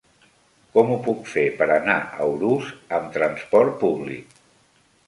Com ho puc fer per anar a Urús amb trasport públic?